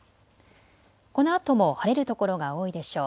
このあとも晴れる所が多いでしょう。